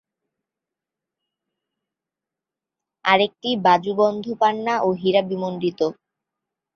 আরেকটি বাজুবন্ধ পান্না ও হীরা বিমন্ডিত।